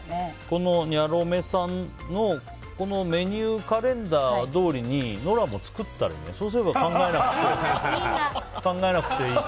このニャロメさんのメニューカレンダーどおりにノラも作ったらいいんじゃない。